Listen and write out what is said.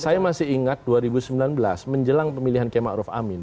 saya masih ingat dua ribu sembilan belas menjelang pemilihan kema arof amin